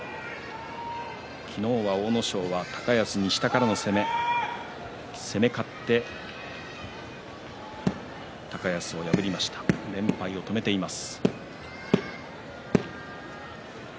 昨日は阿武咲は高安に下からの攻め、攻め勝って高安を破りました連敗を止めています。